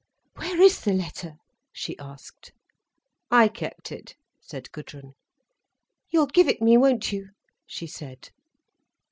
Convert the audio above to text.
"Where is the letter?" she asked. "I kept it," said Gudrun. "You'll give it me, won't you?" she said.